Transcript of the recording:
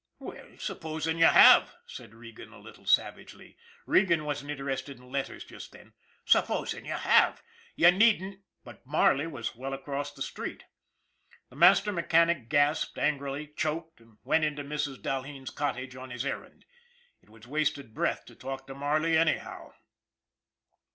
" Well, supposing you have," said Regan a little savagely Regan wasn't interested in letters just tHen, " supposing you have, you needn't " But Marley was well across the street. The master mechanic gasped angrily, choked and went into Mrs. Dahleen's cottage on his errand. It was wasted breath to talk to Marley anyhow.